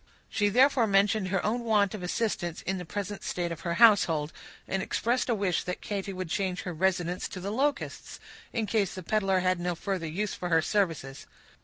She therefore mentioned her own want of assistance in the present state of her household, and expressed a wish that Katy would change her residence to the Locusts, in case the peddler had no further use for her services.